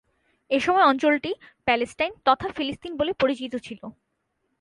এসময় অঞ্চলটি প্যালেস্টাইন তথা ফিলিস্তিন বলে পরিচিত ছিল।